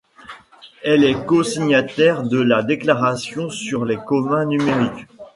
Elle est co-signataire de la Déclaration sur les communs numériques.